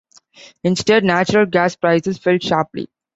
Instead, natural gas prices fell sharply.